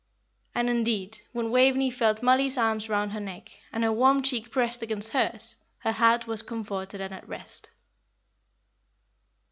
And indeed, when Waveney felt Mollie's arms round her neck, and her warm cheek pressed against hers, her heart was comforted and at rest.